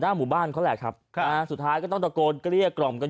หมู่บ้านเขาแหละครับอ่าสุดท้ายก็ต้องตะโกนเกลี้ยกล่อมกัน